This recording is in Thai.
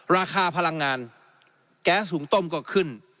ราคาพลังงานแก๊สหุงต้มก็ขึ้น